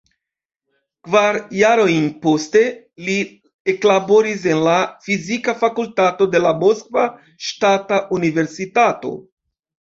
Kvar jarojn poste, li eklaboris en la Fizika Fakultato de la Moskva Ŝtata Universitato.